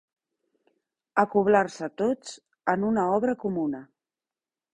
Acoblar-se tots en una obra comuna.